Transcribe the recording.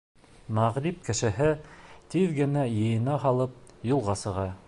Мәғриб кешеһе, тиҙ генә йыйына һалып, юлға сыға.